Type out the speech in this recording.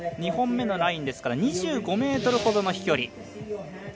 ２本目のラインですから２５ｍほどの飛距離。